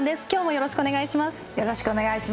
きょうもよろしくお願いします。